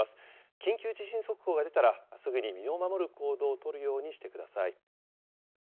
緊急地震速報が出たら、すぐに身を守る行動を取るようにしてください。